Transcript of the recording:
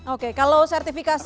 oke kalau sertifikasi